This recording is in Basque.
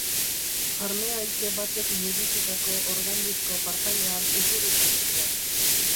Barne-haize batek mugitutako organdizko parpaila hark urduri jarri zuen.